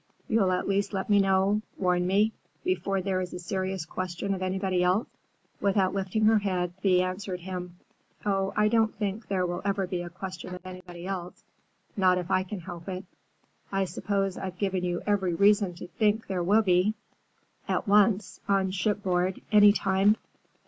You'll at least let me know, warn me, before there is a serious question of anybody else?" Without lifting her head, Thea answered him. "Oh, I don't think there will ever be a question of anybody else. Not if I can help it. I suppose I've given you every reason to think there will be,—at once, on shipboard, any time."